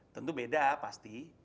tentu beda pasti